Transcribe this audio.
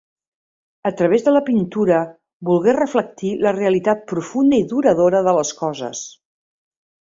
A través de la pintura volgué reflectir la realitat profunda i duradora de les coses.